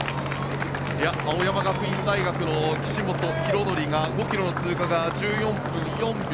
青山学院大学の岸本大紀が５ｋｍの通過が１４分４秒。